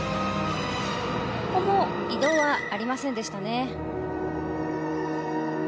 ここも移動はありませんでした。